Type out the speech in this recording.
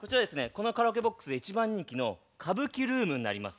このカラオケボックスで一番人気の歌舞伎ルームになります。